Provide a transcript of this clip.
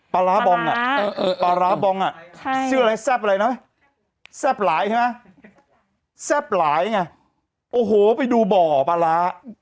ปลาร้าบองอ่ะปลาร้าบองอ่ะชื่ออะไรแซ่บอะไรนะแซ่บหลายใช่ไหมแซ่บหลายไงโอ้โหไปดูบ่อปลาร้า